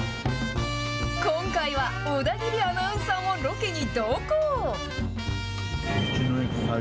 今回は小田切アナウンサーもロケに同行。